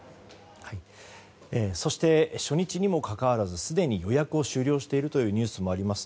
そして初日にもかかわらずすでに予約を終了しているというニュースもあります。